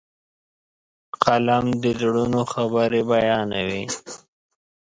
قلم د زړونو خبرې بیانوي.